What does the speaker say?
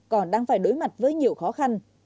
còn đang phải đối mặt với nhiều khó khăn